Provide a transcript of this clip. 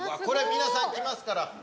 これ皆さん来ますから。